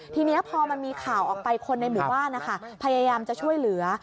ทีนี้พอมันมีข่าวออกไปคนในหมู่บ้านนะคะพยายามจะช่วยเหลือ